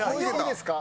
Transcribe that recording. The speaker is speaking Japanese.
いいですか？